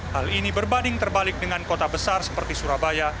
hal ini berbanding terbalik dengan kota besar seperti surabaya